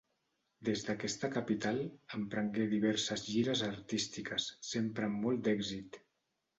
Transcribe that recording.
Des d'aquesta capital emprengué diverses gires artístiques, sempre amb molt d'èxit.